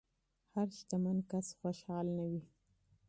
هر شتمن کس خوشحال نه وي.